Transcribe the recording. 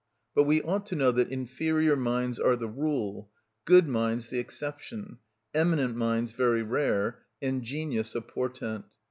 But we ought to know that inferior minds are the rule, good minds the exception, eminent minds very rare, and genius a portent.